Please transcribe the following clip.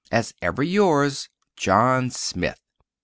As ever yours, JOHN SMITH.